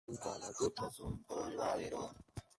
Era de ideología tradicionalista y carlista.